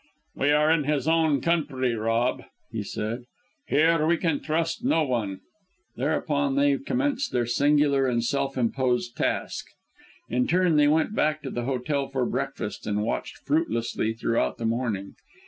"We are in his own country, Rob," he said. "Here, we can trust no one." Thereupon they commenced their singular and self imposed task. In turn they went back to the hotel for breakfast, and watched fruitlessly throughout the morning.